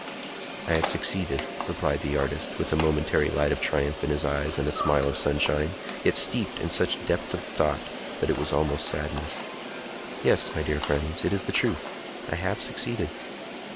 "I have succeeded," replied the artist, with a momentary light of triumph in his eyes and a smile of sunshine, yet steeped in such depth of thought that it was almost sadness. "Yes, my friends, it is the truth. I have succeeded."